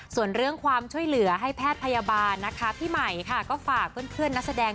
ส่วนเรื่องความเช่าไหลให้แพทย์พยาบาลพี่ใหม่ก็ฝากเพื่อนนักแสดง